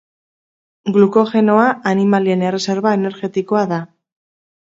Glukogenoa animalien erreserba energetikoa da.